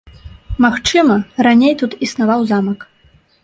Магчыма, раней тут існаваў замак.